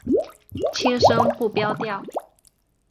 轻声不标调。